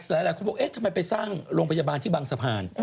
แต่หลายคนบอกทำไมไปสร้างโรงพยาบาลที่วังสะพาน